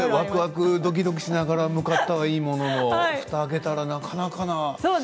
わくわくどきどきしながら向かったはいいもののふたを開けたら、なかなかな。